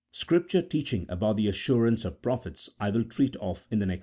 Scripture teach ing about the assurance of prophets I will treat of in the next chapter.